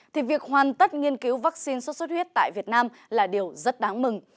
thì việc hoàn tất nghiên cứu vaccine sốt xuất huyết tại việt nam là điều rất đáng mừng